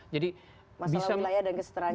masalah wilayah dan kesejahteraan jenar